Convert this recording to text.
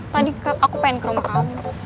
tadi aku pengen ke rumah kamu